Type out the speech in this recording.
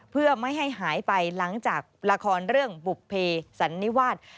เพื่อไม่ให้หายไปหลังจากละครเรื่องบุภเพสันนิวาส